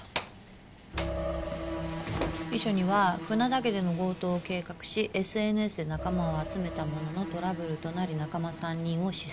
遺書には「船田家での強盗を計画しＳＮＳで仲間を集めたもののトラブルとなり仲間三人を刺殺」